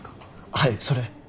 はいそれ。